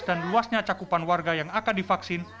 dan luasnya cakupan warga yang akan divaksin